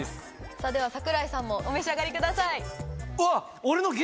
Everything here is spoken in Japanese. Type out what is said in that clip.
さぁでは櫻井さんもお召し上がりください。